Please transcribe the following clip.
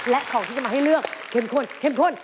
และของที่จะมาให้เลือกเข้มข้นเข้มข้น